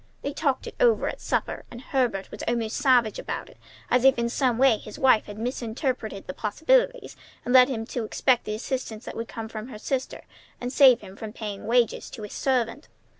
They talked it over at supper, and Herbert was almost savage about it, as if in some way his wife had misrepresented the possibilities, and led him to expect the assistance that would come from her sister and save him from paying wages to a servant.